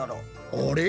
あれ？